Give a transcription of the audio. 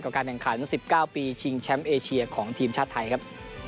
การแข่งขัน๑๙ปีชิงแชมป์เอเชียของทีมชาติไทยครับ